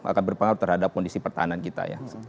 akan berpengaruh terhadap kondisi pertahanan kita ya